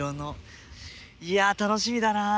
いや楽しみだなあ。